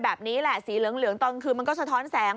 แบบนี้แหละสีเหลืองตอนคืนมันก็สะท้อนแสง